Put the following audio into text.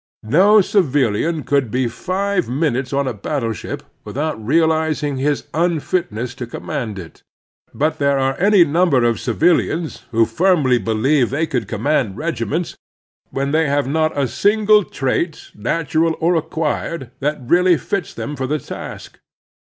No civilian could be five minutes on a battleship without realizing his unfitness to com mand it; but there are any number of civilians who firmly believe they can command regiments, when they have not a single trait, natural or acquired, that really fits them for the task.